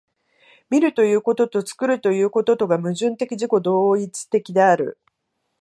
見るということと作るということとが矛盾的自己同一的である。